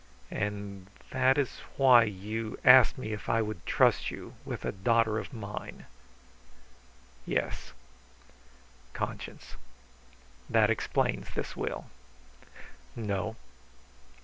"And that is why you asked me if I would trust you with a daughter of mine?" "Yes." "Conscience. That explains this will." "No.